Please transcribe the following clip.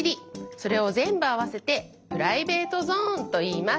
それをぜんぶあわせて「プライベートゾーン」といいます。